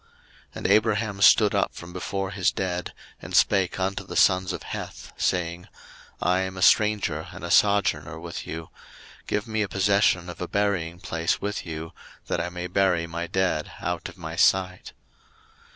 01:023:003 And Abraham stood up from before his dead, and spake unto the sons of Heth, saying, 01:023:004 I am a stranger and a sojourner with you: give me a possession of a buryingplace with you, that I may bury my dead out of my sight.